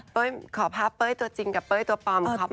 เบ้ยเขาพาเป๊ยตัวจริงกับเป๊ยตัวปอมครับ